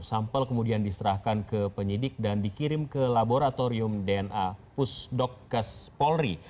sampel kemudian diserahkan ke penyidik dan dikirim ke laboratorium dna pusdokkes polri